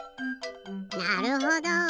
なるほど。